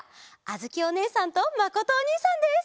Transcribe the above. あづきおねえさんとまことおにいさんです。